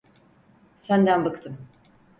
Senden bıktım.